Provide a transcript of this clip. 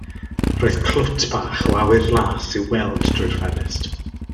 Roedd clwt bach o awyr las i'w weld drwy'r ffenest.